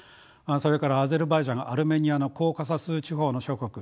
それからアゼルバイジャンアルメニアのコーカサス地方の諸国